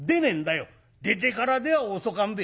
「出てからでは遅かんべ」。